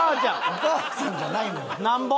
お母さんじゃないのよ。